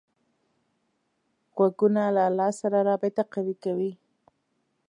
غوږونه له الله سره رابطه قوي کوي